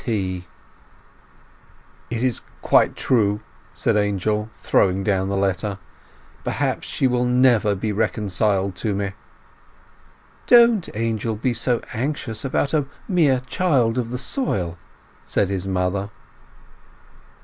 T. "It is quite true!" said Angel, throwing down the letter. "Perhaps she will never be reconciled to me!" "Don't, Angel, be so anxious about a mere child of the soil!" said his mother.